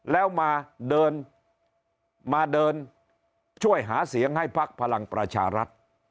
แล้วมาเดินมาเดินช่วยหาเสียงให้พักพลังประชารัฐ